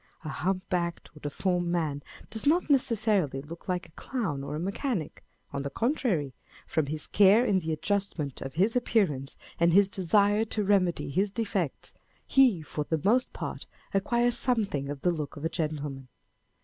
A hump backed or deformed man does not necessarily look like a clown or a mechanic ; on the contrary, from his care in the adjustment of his appear ance, and his desire to remedy his defects, he for the most part acquires something of the look of a gentleman.